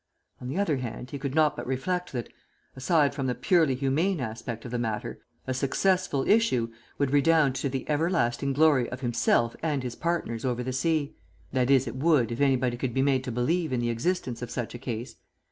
On the other hand he could not but reflect that, aside from the purely humane aspect of the matter, a successful issue would redound to the everlasting glory of himself and his partners over the sea that is, it would if anybody could be made to believe in the existence of such a case.